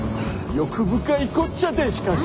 欲深いこっちゃでしかし。